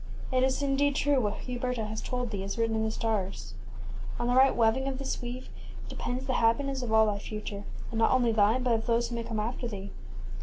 It is indeed true, what Huberta hast told thee is written in the stars. On the right weaving of this web depends the hap piness of all thy future, and not only thine but of those who may come after thee.